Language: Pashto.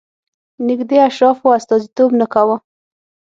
نږدې اشرافو استازیتوب نه کاوه.